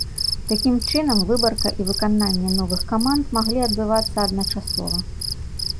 Такім чынам, выбарка і выкананне новых каманд маглі адбывацца адначасова.